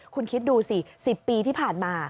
คุณคิดดูสิ๑๐ปีที่ผ่านมา